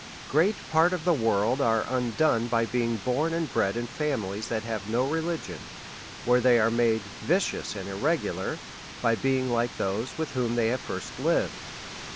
Great part of the world are undone by being born and bred in families that have no religion ; where they are made vicious and irregular, by being like those with whom they first lived.